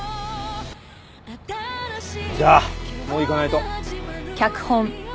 じゃあもう行かないと。